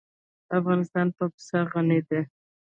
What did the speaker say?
افغانستان په پسه غني دی.